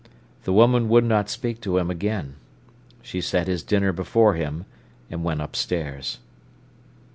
The woman would not speak to him again. She set his dinner before him, and went upstairs.